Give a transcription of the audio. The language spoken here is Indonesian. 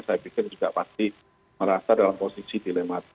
saya pikir juga pasti merasa dalam posisi dilematis